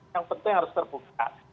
yang penting harus terbuka